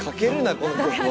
この曲を。